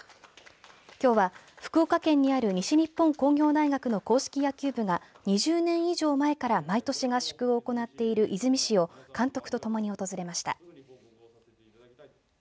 きょうは福岡県にある西日本工業大学の硬式野球部が２０年以上前から毎年合宿を行っている出水市を監督とともに訪れました。